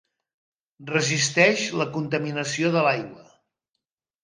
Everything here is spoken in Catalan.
Resisteix la contaminació de l'aigua.